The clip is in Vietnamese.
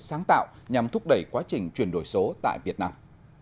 sáng tạo nhằm thúc đẩy quá trình chuyển đổi số tại việt nam